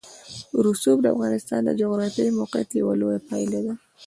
رسوب د افغانستان د جغرافیایي موقیعت یوه لویه پایله ده.